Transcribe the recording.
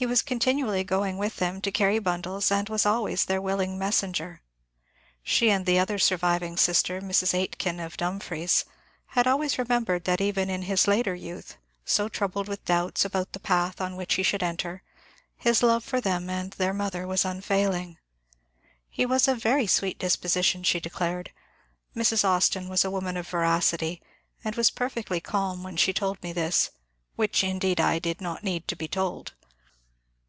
He was continually going with them to carry bimdles, and was their always willing mes senger. She and the other surviving sister, Mrs. Aitken of Dumfries, had always remembered that even in his later youth, so troubled with doubts about the path on which he should enter, his love for them and their mother was unfailing. He was of very sweet disposition, she declared. Mrs. Austin was a woman of veracity, and was perfectly calm when she told me this, — which indeed, I did not need to be told.